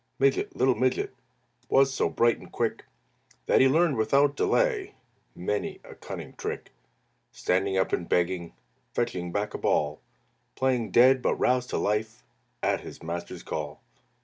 Midget, little Midget, Was so bright and quick That he learned without delay Many a cunning trick. Standing up and begging, Fetching back a ball; Playing dead, but roused to life At his master's call.